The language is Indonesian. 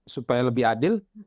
supaya lebih adil